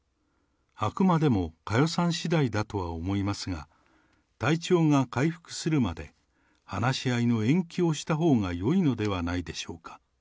あくまでも佳代さんしだいだとは思いますが、体調が回復するまで、話し合いの延期をしたほうがよいのではないでしょうか。